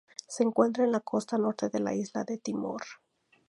Se encuentra en la costa norte de la isla de Timor.